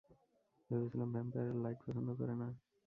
ভেবেছিলাম ভ্যাম্পায়াররা লাইট পছন্দ করে না।